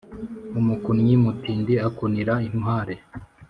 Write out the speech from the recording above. umukunnyi mutindi akunira impare